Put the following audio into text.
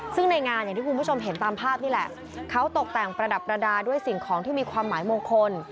ซึ่งในงานอย่างที่คุณผู้ชมเห็นตามภาพนี่แหละเขาตกแต่งประดับประดาษด้วยสิ่งของที่มีความหมายมงคล